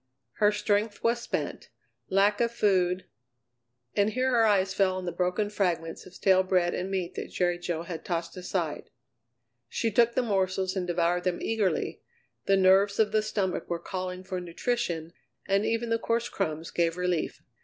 Her strength was spent, lack of food And here her eyes fell on the broken fragments of stale bread and meat that Jerry Jo had tossed aside. She took the morsels and devoured them eagerly; the nerves of the stomach were calling for nutrition, and even the coarse crumbs gave relief.